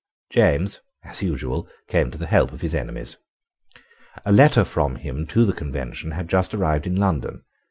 James, as usual, came to the help of his enemies. A letter from him to the Convention had just arrived in London.